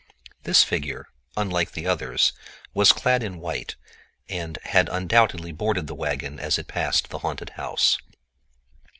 This figure, unlike the others, was clad in white, and had undoubtedly boarded the wagon as it passed the haunted house.